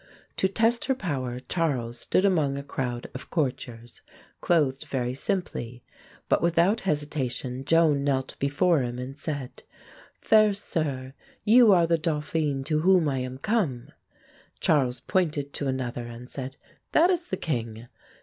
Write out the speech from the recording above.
To test her power, Charles stood among a crowd of courtiers, clothed very simply; but without hesitation Joan knelt before him and said: "Fair sir, you are the Dauphin to whom I am come." Charles pointed to another and said, "That is the king."